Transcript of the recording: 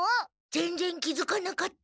ぜんぜん気づかなかった。